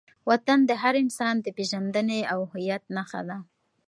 وطن د هر انسان د پېژندنې او هویت نښه ده.